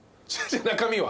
中身は？